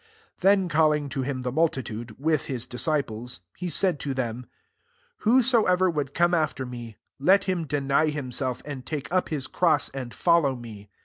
34 Then calling to him the multitude, with his disciples, he said to them, Whosoever would come after me, let him deny himself, and take up his cross, and follow me.